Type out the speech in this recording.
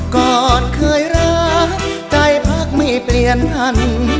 ก่อนเคยรักใจพักไม่เปลี่ยนอัน